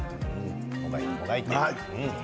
もがいて、もがいて。